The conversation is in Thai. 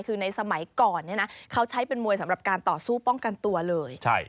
คือในสมัยก่อนเนี่ยนะเขาใช้เป็นมวยสำหรับการต่อสู้ป้องกันตัวเลย